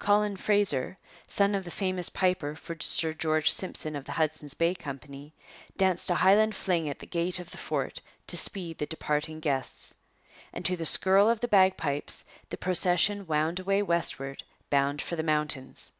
Colin Fraser, son of the famous piper for Sir George Simpson of the Hudson's Bay Company, danced a Highland fling at the gate of the fort to speed the departing guests. And to the skirl of the bagpipes the procession wound away westward bound for the mountains.